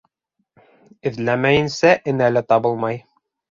Эҙләмәйенсә энә лә табылмай.